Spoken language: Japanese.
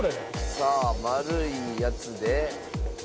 さあ丸いやつで。